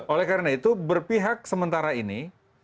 oleh karena itu berpihak sementara ini